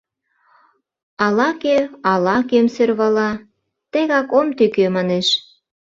Ала-кӧ ала-кӧм сӧрвала, тегак ом тӱкӧ, манеш.